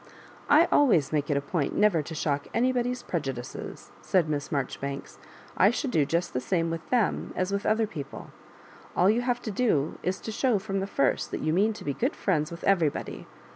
"I always make it a point never to shodc anybody's prejudwes," said Miss Marjoribanks. I should do just the same with t?iem as with other people ; all you have to do is to show from the first that you mean to be good friends with everybody.